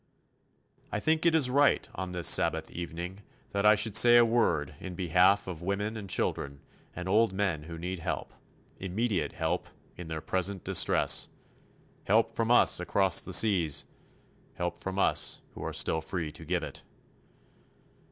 I think it is right on this Sabbath evening that I should say a word in behalf of women and children and old men who need help immediate help in their present distress help from us across the seas, help from us who are still free to give it.